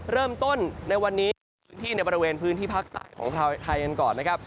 เริ่มต้นในวันนี้พื้นที่ในบริเวณพื้นที่ภาคใต้ของไทยกันก่อนนะครับ